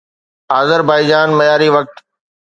Azerbaijan معياري وقت